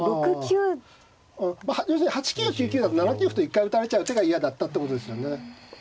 要するに８九や９九だと７九歩と一回打たれちゃう手が嫌だったってことですよね。